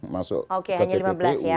masuk ke tppu